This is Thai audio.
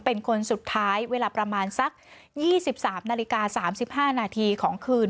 เป็นคนสุดท้ายเวลาประมาณสัก๒๓นาฬิกา๓๕นาทีของคืน